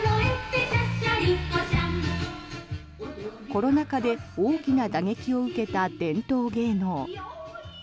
コロナ禍で大きな打撃を受けた伝統芸能。